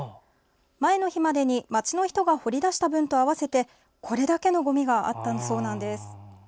前の日までに、町の人が掘り出した分と合わせてこれだけのごみがあったそうです。